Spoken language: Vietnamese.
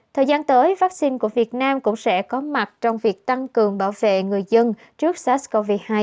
thời gian tới vaccine của việt nam cũng sẽ có mặt trong việc tăng cường bảo vệ người dân trước sars cov hai